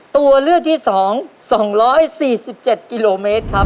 ตัวเลือกที่สองสองร้อยสี่สิบเจ็ดกิโลเมตรครับ